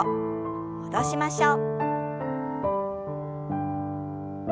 戻しましょう。